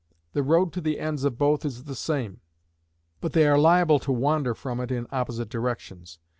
The road to the ends of both is the same; but they are liable to wander from it in opposite directions.